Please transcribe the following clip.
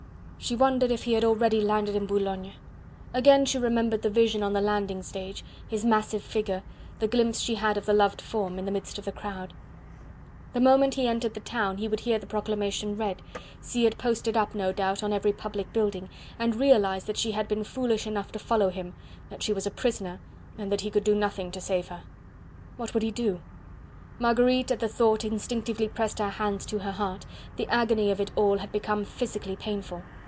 She wondered if he had already landed in Boulogne! Again she remembered the vision on the landing stage: his massive figure, the glimpse she had of the loved form, in the midst of the crowd! The moment he entered the town he would hear the proclamation read, see it posted up no doubt on every public building, and realize that she had been foolish enough to follow him, that she was a prisoner and that he could do nothing to save her. What would he do? Marguerite at the thought instinctively pressed her hands to her heart, the agony of it all had become physically painful.